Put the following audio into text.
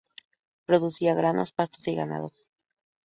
Producía granos, pastos y ganados.